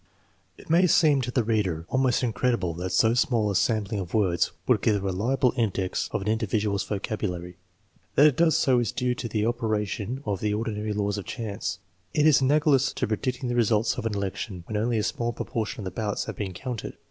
It may seem to the reader almost incredible that so small a sampling of words would give a reliable index of an individual's vocabulary. That it does so is due to the opera tion of the ordinary laws of chance. It is analogous to pre dicting the results of an election when only a small propor tion of the ballots have been counted.